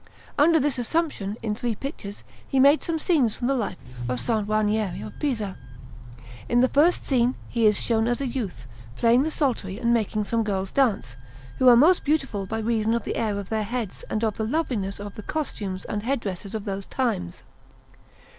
Under this Assumption, in three pictures, he made some scenes from the life of S. Ranieri of Pisa. In the first scene he is shown as a youth, playing the psaltery and making some girls dance, who are most beautiful by reason of the air of the heads and of the loveliness of the costumes and head dresses of those times.